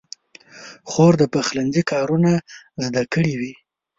خور د پخلنځي کارونه زده کړي وي.